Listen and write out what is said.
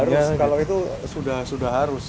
harus kalau itu sudah harus